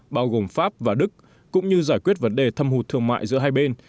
bao gồm pháp và đức cũng như giải quyết vấn đề thâm hụt thương mại giữa hai bên